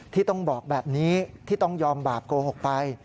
ที่ต้องบอกแบบนี้ที่ต้องยอมบาปโกหกไป